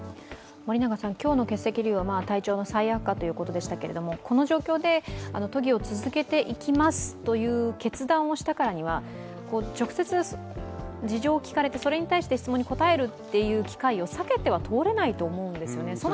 今日の欠席理由は体調の再悪化という理由でしたがこの状況で都議を続けていきますという決断をしたからには直接事情を聴かれて、それに対して質問に答えるという機会を避けては通れないと思うんですよね。